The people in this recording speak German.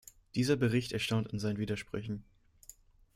Dieser Bericht erstaunt in seinen Widersprüchen.